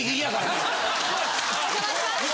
お邪魔します！